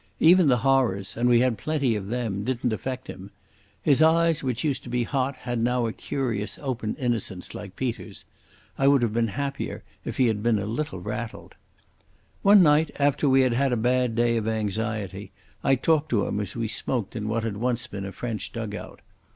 Even the horrors—and we had plenty of them—didn't affect him. His eyes, which used to be hot, had now a curious open innocence like Peter's. I would have been happier if he had been a little rattled. One night, after we had had a bad day of anxiety, I talked to him as we smoked in what had once been a French dug out.